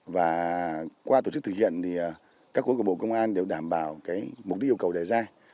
và qua tổ chức thực hiện thì các khối của bộ công an đều đảm bảo mục đích yêu cầu đề ra